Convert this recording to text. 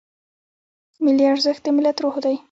ملي ارزښت د ملت روح دی.